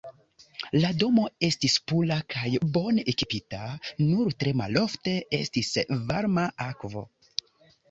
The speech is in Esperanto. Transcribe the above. La domo estis pura kaj bone ekipita, nur tre malofte estis varma akvo.